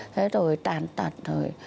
thế rồi tàn tật rồi